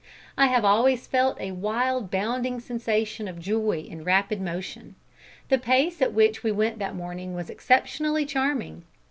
I have always felt a wild bounding sensation of joy in rapid motion. The pace at which we went that morning was exceptionally charming.